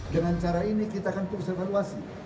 dengan cara ini kita akan terus evaluasi